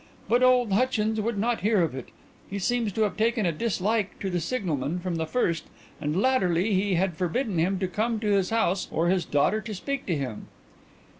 But old Hutchins would not hear of it; he seems to have taken a dislike to the signalman from the first and latterly he had forbidden him to come to his house or his daughter to speak to him."